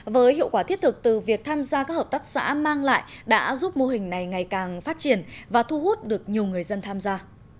với hiệu quả thiết thực từ việc tham gia các hợp tác xã mang lại đã giúp mô hình này ngày càng phát triển và thu hút được nhiều người dân tham gia